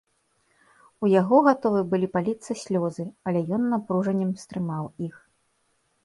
У яго гатовы былі паліцца слёзы, але ён напружаннем стрымаў іх.